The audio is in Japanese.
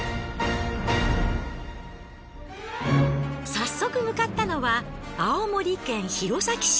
早速向かったのは青森県弘前市。